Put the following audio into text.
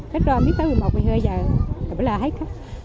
khách ra miễn phí một mươi một một mươi hai giờ là hết khách